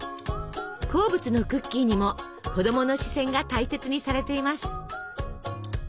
好物のクッキーにも子供の視線が大切にされています。